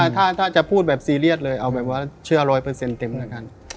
ถ้าจะพูดแบบซีเรียสเลยเอาแบบว่าเชื่อ๑๐๐เต็มแล้วกัน